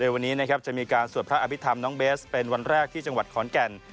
วันนี้นะครับจะมีการสวดพระอภิษฐรรมน้องเบสเป็นวันแรกที่จังหวัดขอนแก่น